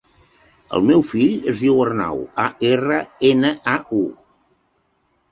El meu fill es diu Arnau: a, erra, ena, a, u.